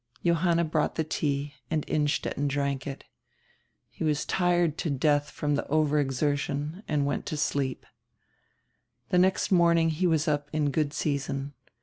Johanna brought the tea, and Innstetten drank it He was tired to death from the overexertion and went to sleep. The next morning he was up in good season.